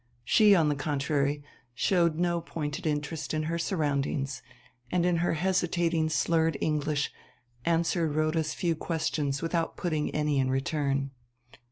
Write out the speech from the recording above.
She, on the contrary, showed no pointed interest in her surroundings; and, in her hesitating slurred English, answered Rhoda's few questions without putting any in return.